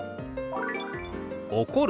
「怒る」。